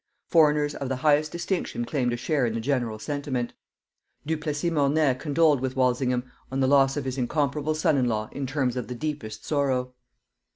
Foreigners of the highest distinction claimed a share in the general sentiment. Du Plessis Mornay condoled with Walsingham on the loss of his incomparable son in law in terms of the deepest sorrow.